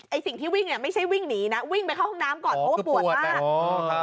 สิ่งที่วิ่งเนี่ยไม่ใช่วิ่งหนีนะวิ่งไปเข้าห้องน้ำก่อนเพราะว่าปวดมาก